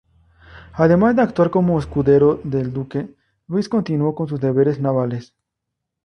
Además de actuar como escudero del duque, Luis continuó con sus deberes navales.